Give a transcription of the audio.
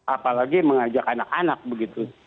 apalagi mengajak anak anak begitu